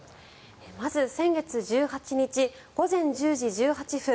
まず先月１８日午前１０時１８分